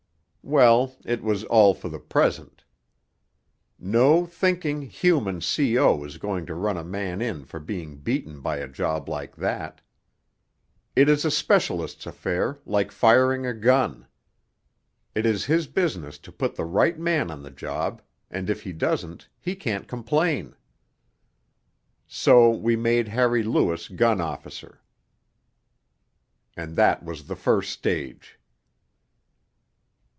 Well, it was all for the present. No thinking, human C.O. is going to run a man in for being beaten by a job like that. It is a specialist's affair, like firing a gun. It is his business to put the right man on the job, and if he doesn't, he can't complain. So we made Harry Lewis gun officer. And that was the first stage.